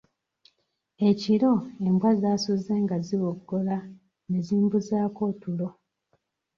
Ekiro embwa zaasuze nga ziboggola ne zimbuzaako otulo.